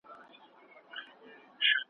هرڅه څرنګه سي مړاوي هر څه څرنګه وچیږي ,